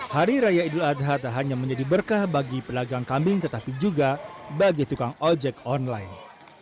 hari raya idul adha tak hanya menjadi berkah bagi pedagang kambing tetapi juga bagi tukang ojek online